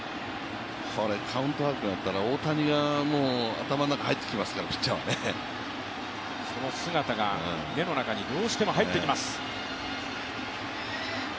カウント悪くなったら、大谷が頭の中に入ってきますから、その姿が目の中にどうしても入ってきます。